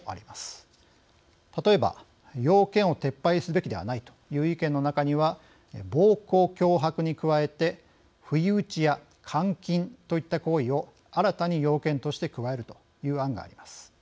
例えば要件を撤廃すべきではないという意見の中には暴行・脅迫に加えて不意打ちや監禁といった行為を新たに要件として加えるという案があります。